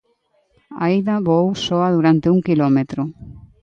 Aida voou soa durante un quilómetro.